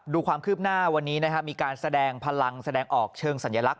ดูความคืบหน้าวันนี้นะครับมีการแสดงพลังแสดงออกเชิงสัญลักษ